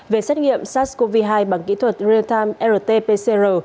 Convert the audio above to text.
về xét nghiệm sars cov hai bằng kỹ thuật real time rt pcr